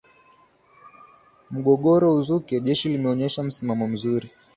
mgogoro uzuke jeshi limeonyesha msimamo mzuri